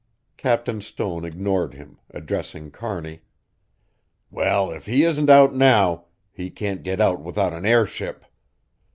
Captain Stone ignored him, addressing Kearney: "Well, if he isn't out now he can't get out without an airship.